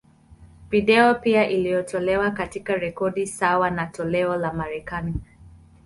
Video pia iliyotolewa, katika rekodi sawa na toleo la Marekani.